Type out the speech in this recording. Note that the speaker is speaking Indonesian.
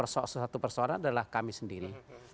suatu persoalan adalah kami sendiri